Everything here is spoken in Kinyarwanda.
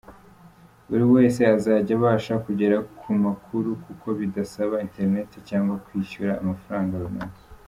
Buri wese azajya abasha kugera ku makuru kuko bidasaba internet cyangwa kwishyura amafaranga runaka.